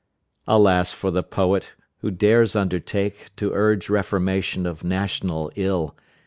Alas for the Poet, who dares undertake To urge reformation of national ill!